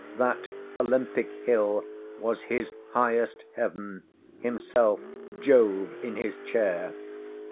That Olympic Hill was his "highest heaven;" himself "Jove in his chair."